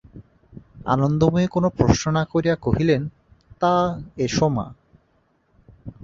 আনন্দময়ী কোনো প্রশ্ন না করিয়া কহিলেন, তা, এসো মা!